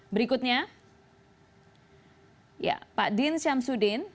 berikutnya pak din syamsuddin